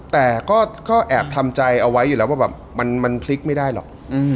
แต่ก็แอบทำใจเอาไว้อยู่แล้วว่าแบบมันพลิกไม่ได้หรอก